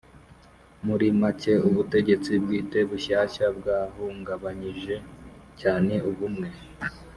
Muri make ubutegetsi bwite bushyashya bwahungabanyije cyane ubumwe